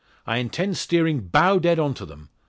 I intend steering bow dead on to them.